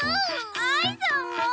愛さんも！